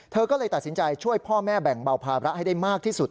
เธอก็เลยตัดสินใจช่วยพ่อแม่แบ่งเบาภาระให้ได้มากที่สุด